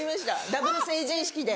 ダブル成人式で。